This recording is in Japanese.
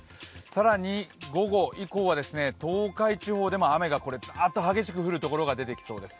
更に、午後以降は東海地方でも雨がザーッと激しく降るところがありそうです。